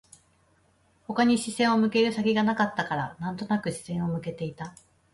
他に視線を向ける先がなかったから、なんとなく視線を向けていた